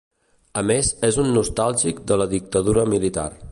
A més, és un nostàlgic de la dictadura militar.